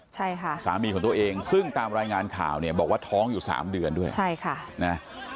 ใช่ค่ะสามีของตัวเองซึ่งตามรายงานข่าวเนี่ยบอกว่าท้องอยู่สามเดือนด้วยใช่ค่ะนะ